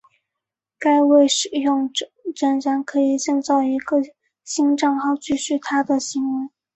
该位使用者仍然可以创建一个新帐号继续他的行为。